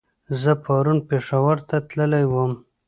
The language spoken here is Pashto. زه پرون پېښور ته تللی ووم